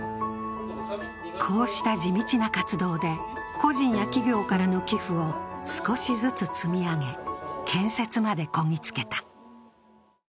こうした地道な活動で個人や企業からの寄付を少しずつ積み上げ、建設までこぎ着けた。